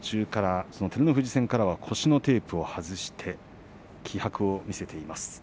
照ノ富士戦からは腰のテープを外して気迫を見せています。